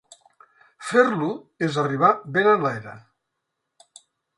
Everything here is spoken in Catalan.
Fer-lo és arribar ben enlaire.